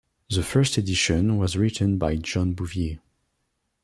The first edition was written by John Bouvier.